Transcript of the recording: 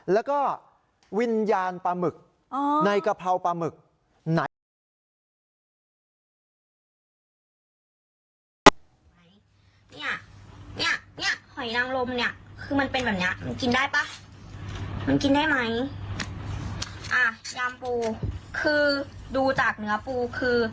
แล้วก็วิญญาณปลาหมึกในกะเพราปลาหมึกไหน